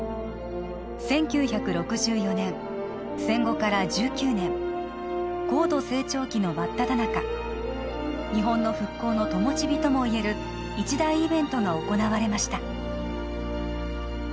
戦後から１９年高度成長期の真っただ中日本の復興のともしびともいえる一大イベントが行われました